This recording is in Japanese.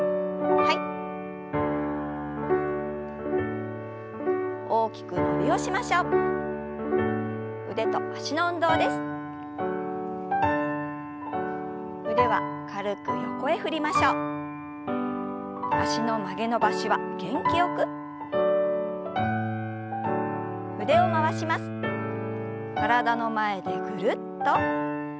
体の前でぐるっと。